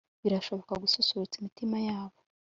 birashobora gususurutsa imitima yabo